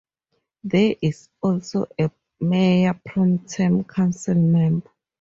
There is also a mayor pro tem councilmember.